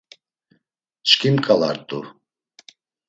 Çkimǩala rt̆u.